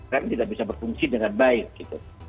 rem tidak bisa berfungsi dengan baik gitu